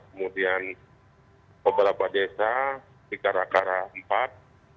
kemudian beberapa desa di kara kara empat